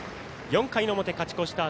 ４回の表、勝ち越した